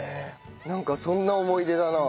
なんかそんな思い出だな。